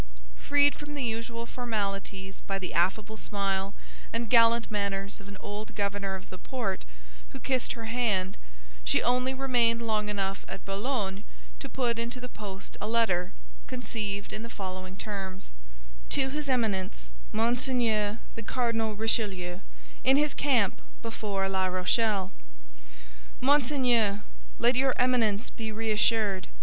Freed from the usual formalities by the affable smile and gallant manners of an old governor of the port, who kissed her hand, she only remained long enough at Boulogne to put into the post a letter, conceived in the following terms: "To his Eminence Monseigneur the Cardinal Richelieu, in his camp before La Rochelle. "MONSEIGNEUR, Let your Eminence be reassured.